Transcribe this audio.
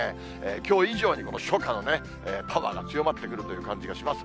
きょう以上に初夏のパワーが強まってくるという感じがします。